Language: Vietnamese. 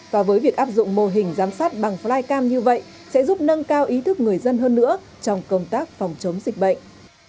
và với việc áp dụng mô hình giám sát bằng flycam như vậy sẽ giúp nâng cao ý thức người dân hơn nữa trong công tác phòng chống dịch bệnh